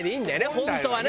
本当はね